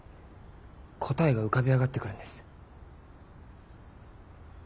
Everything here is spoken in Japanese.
答えが浮かび上がって来るんです。